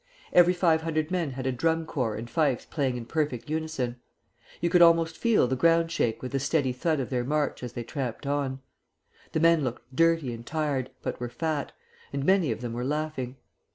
Every five hundred men had a drum corps and fifes playing in perfect unison. You could almost feel the ground shake with the steady thud of their march as they tramped on. The men looked dirty and tired, but were fat, and many of them were laughing.